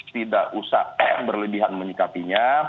tidak usah berlebihan menyikapinya